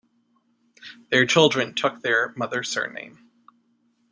Their children took their mother's surname.